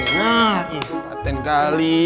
nah ih paten kali